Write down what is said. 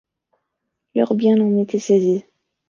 Leurs biens ont été saisis.